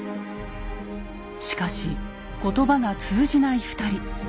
しかし言葉が通じない２人。